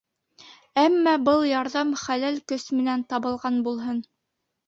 Әммә был ярҙам хәләл көс менән табылған булһын.